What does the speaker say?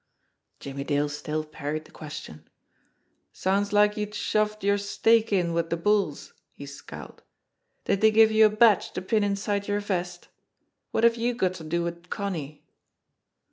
Jimmie Dale still parried the question. "Sounds like you'd shoved your stake in with the bulL,*' he scowled. "Did they give you a badge to pin inside your vest? What have you got to do with Connie?"